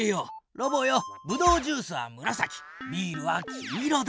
ロボよブドウジュースはむらさきビールは黄色だ！